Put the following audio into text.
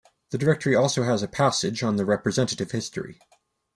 The Directory also has a passage on the representative history.